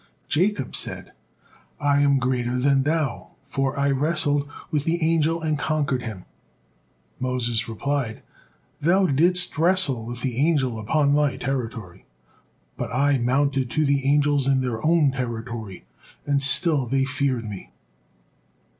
Jacob said, "I am greater than thou, for I wrestled with the angel and conquered him." Moses replied: "Thou didst wrestle with the angel upon thy territory, but I mounted to the angels into their own territory, and still they feared me."